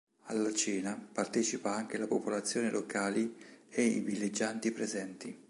Alla cena partecipa anche la popolazione locali e i villeggianti presenti.